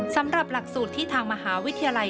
สำหรับหลักสูตรที่ทางมหาวิทยาลัย